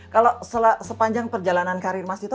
kalau sepanjang perjalanan karir mas dito